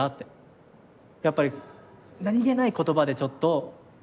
やっぱり何気ない言葉でちょっと傷ついてしまう。